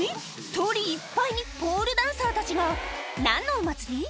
通りいっぱいにポールダンサーたちが何のお祭り？